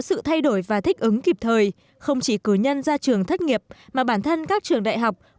sự thay đổi và thích ứng kịp thời không chỉ cử nhân ra trường thất nghiệp mà bản thân các trường đại học